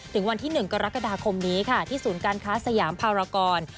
ถึงวันที่๑กรกฎาคมนี้ค่ะที่ศูนย์การค้าสยามภารกร